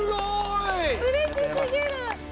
うれしすぎる！